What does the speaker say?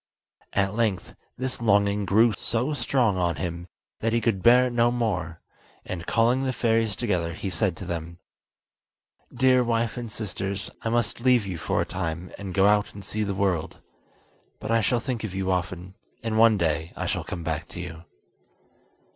At length this longing grew so strong on him that he could bear it no more; and, calling the fairies together, he said to them: "Dear wife and sisters, I must leave you for a time, and go out and see the world. But I shall think of you often, and one day I shall come back to you."